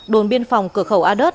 đồn biên phòng cửa khẩu a đớt